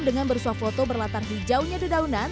dengan bersuap foto berlatar hijaunya di daunan